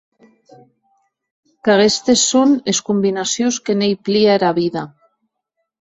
Qu’aguestes son es combinacions que n’ei plia era vida.